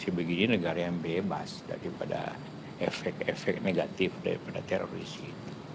kondisi begini negara yang bebas daripada efek efek negatif daripada teroris itu